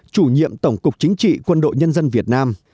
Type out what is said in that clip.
chủ nhiệm tổng cục chính trị quân đội nhân dân việt nam